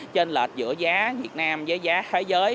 trên lệch giữa giá việt nam với giá thế giới